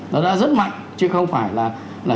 nó đã rất mạnh chứ không phải là